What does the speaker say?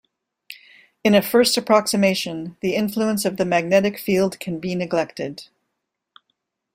In a first approximation, the influence of the magnetic field can be neglected.